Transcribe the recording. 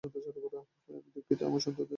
আমি দুঃখিত, আমার সন্তানদের আমাকে প্রয়োজন।